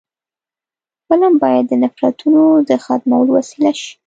فلم باید د نفرتونو د ختمولو وسیله شي